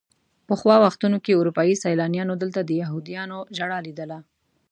پخوا وختونو کې اروپایي سیلانیانو دلته د یهودیانو ژړا لیدله.